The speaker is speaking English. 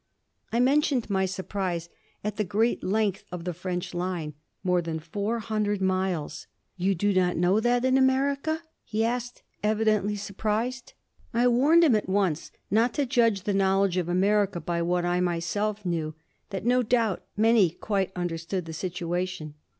I mentioned my surprise at the great length of the French line more than four hundred miles. "You do not know that in America?" he asked, evidently surprised. I warned him at once not to judge the knowledge of America by what I myself knew, that no doubt many quite understood the situation.